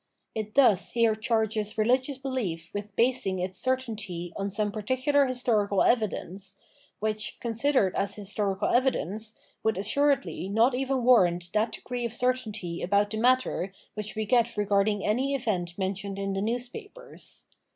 It thus here charges religious behef with basing its certainty on some par ticular historical evidence, which, considered as his torical evidence, would assuredly not even warrant that degree of certainty about the matter which we get regarding any event mentioned in the newspapers.